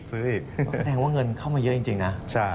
แสดงว่าเงินเข้ามาเยอะจริงนะ